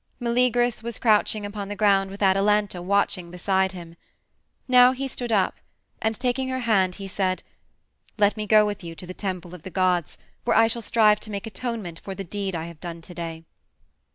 Meleagrus was crouching upon the ground with Atalanta watching beside him. Now he stood up, and taking her hand he said, "Let me go with you to the temple of the gods where I shall strive to make atonement for the deed I have done to day."